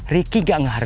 riki gak ngeharap